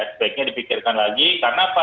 sebaiknya dipikirkan lagi karena apa